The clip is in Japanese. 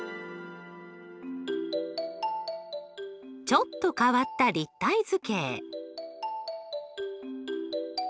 ちょっと変わった立体図形。